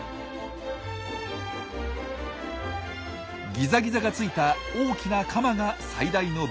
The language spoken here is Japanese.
ギザギザがついた大きなカマが最大の武器。